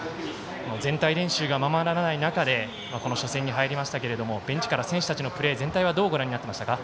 全体練習がままならない中でこの初戦に入りましたけれどもベンチから選手たちのプレー全体はどうご覧になってましたか。